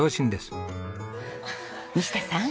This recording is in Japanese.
西田さん。